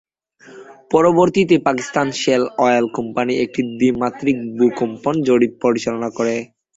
পরবর্তীতে Pakistan Shell oil company একটি দ্বিমাত্রিক ভূকম্পন জরিপ পরিচালনা করে।